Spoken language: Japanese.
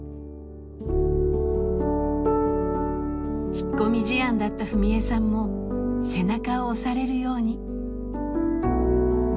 引っ込み思案だった史恵さんも背中を押されるように。